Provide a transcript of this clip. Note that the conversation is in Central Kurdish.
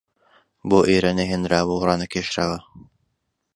بۆ ئێرە نەهێنراوە و ڕانەکێشراوە